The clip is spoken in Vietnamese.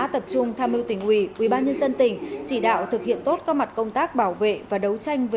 tập trung tham mưu tỉnh ủy ubnd tỉnh chỉ đạo thực hiện tốt các mặt công tác bảo vệ và đấu tranh với